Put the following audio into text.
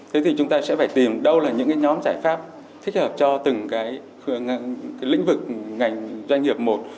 thế thì chúng ta sẽ phải tìm đâu là những nhóm giải pháp thích hợp cho từng cái lĩnh vực ngành doanh nghiệp một